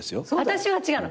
私は違うの。